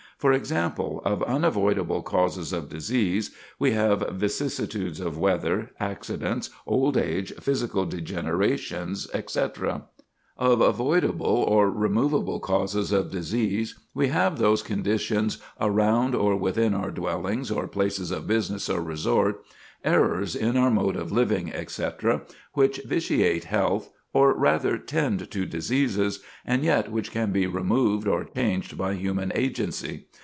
For example: Of unavoidable causes of disease, we have vicissitudes of weather, accidents, old age, physical degenerations, etc. Of avoidable or removable causes of disease we have those conditions around or within our dwellings or places of business or resort, errors in our mode of living, etc., which vitiate health, or rather tend to diseases, and yet which can be removed or changed by human agency.